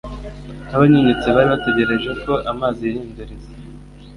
n’abanyunyutse bari bategereje ko amazi yihinduriza”